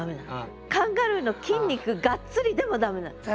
「カンガルーの筋肉がっつり」でも駄目なの。